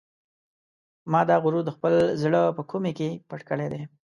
ما دا غرور د خپل زړه په کومې کې پټ کړی دی.